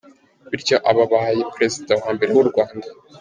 Bityo aba abaye Perezida wa mbere w’u Rwanda.